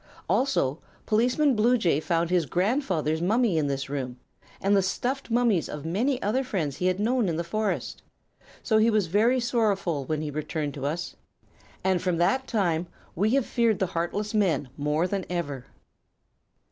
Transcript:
"Also Policeman Bluejay found his grandfather's mummy in this room, and the stuffed mummies of many other friends he had known in the forest. So he was very sorrowful when he returned to us, and from that time we have feared the heartless men more than ever."